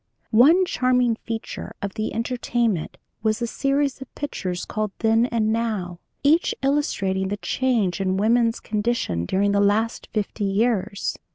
"One charming feature of the entertainment was a series of pictures called 'Then and Now,' each illustrating the change in woman's condition during the last fifty years.